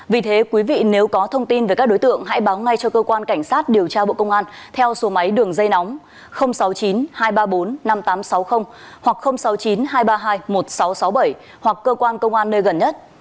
vì thế quý vị nếu có thông tin về các đối tượng hãy báo ngay cho cơ quan cảnh sát điều tra bộ công an theo số máy đường dây nóng sáu mươi chín hai trăm ba mươi bốn năm nghìn tám trăm sáu mươi hoặc sáu mươi chín hai trăm ba mươi hai một nghìn sáu trăm sáu mươi bảy hoặc cơ quan công an nơi gần nhất